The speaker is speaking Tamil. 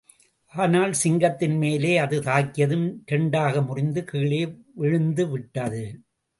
ஆனால், சிங்கத்தின்மேலே அது தாக்கியதும், இரண்டாக முறிந்து கீழே வீழ்ந்துவிட்டது.